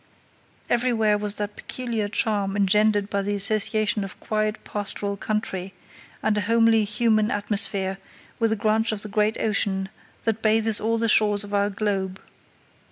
Everywhere was that peculiar charm engendered by the association of quiet pastoral country and a homely human atmosphere with a branch of the great ocean that bathes all the shores of our globe.